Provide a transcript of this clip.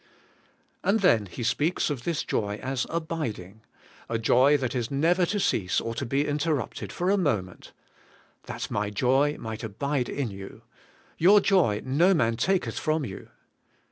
And then He speaks of this joy as aUding^ — a joy that is never to cease or to be interrupted for a moment: *That my joy might abide in you.' *Your joy no man taketh from you.'